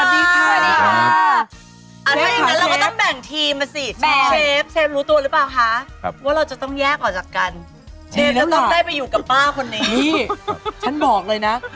นี่ฉันบอกเลยนะ